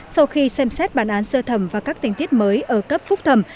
sau khi xem xét bản án sơ thẩm và các tình tiết mới ở cấp phúc thẩm